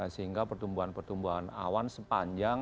sehingga pertumbuhan pertumbuhan awan sepanjang